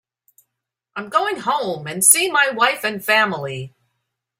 I'm going home and see my wife and family.